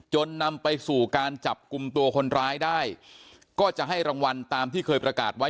นำไปสู่การจับกลุ่มตัวคนร้ายได้ก็จะให้รางวัลตามที่เคยประกาศไว้